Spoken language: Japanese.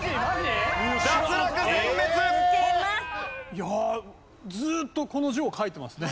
いやずっとこの字を書いてました。